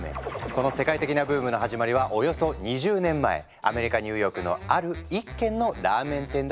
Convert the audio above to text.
その世界的なブームの始まりはおよそ２０年前アメリカニューヨークのある一軒のラーメン店だといわれているんです。